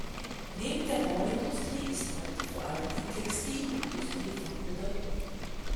Neben der Bauindustrie ist heute vor allem die Textilindustrie von Bedeutung.